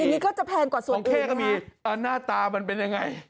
อย่างนี้ก็จะแพงกว่าส่วนของเข้ก็มีหน้าตามันเป็นยังไง